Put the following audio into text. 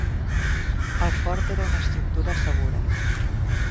El fort era una estructura segura.